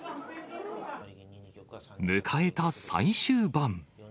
迎えた最終盤。